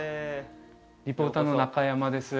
リポーターの中山です